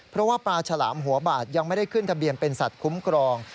เพราะว่าปลาฉลามหัวบาดยังไม่ได้ขึ้นทะเบียนเป็นสัตว์คุ้มครอง